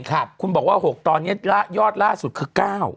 คุณบอกว่า๖ตอนนี้ยอดล่าสุดคือ๙